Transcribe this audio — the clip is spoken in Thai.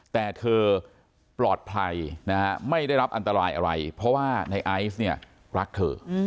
แต่เธอปลอดภัยนะฮะไม่ได้รับอันตรายอะไรเพราะว่าในไอซ์เนี่ยรักเธอ